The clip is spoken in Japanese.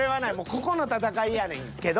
ここの戦いやねんけど。